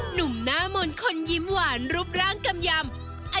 หนุ่มหน้ามนต์คนยิ้มหวานรูปร่างกำยำ